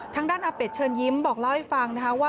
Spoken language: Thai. ทางด้านอาเป็ดเชิญยิ้มบอกเล่าให้ฟังนะคะว่า